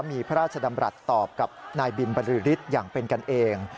มีพระราชดำรัฐตอบกับนายบินบรือฤทธิ์อย่างเป็นกันเอง